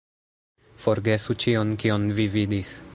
Forgesu ĉion kion vi vidis